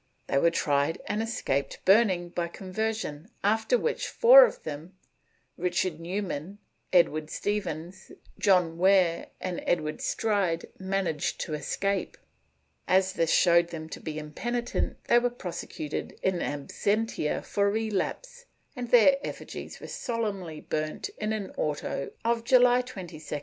They were tried and escaped burning by conversion, after which four of them, Richard New man, Edward Stephens, John Ware, and Edward Stride managed to escape. As this showed them to be impenitent, they were prosecuted in absentia for relapse, and their effigies were solemnly burnt in an auto of July 22, 1587.